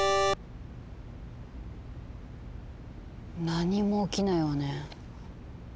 何も起きないわね。